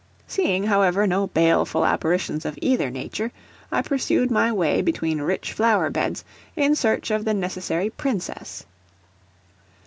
Seeing, however, no baleful apparitions of either nature, I pursued my way between rich flower beds, in search of the necessary Princess.